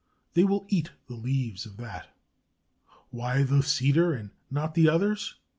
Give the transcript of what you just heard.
They will eat the leaves of that. Why the cedar and not the others?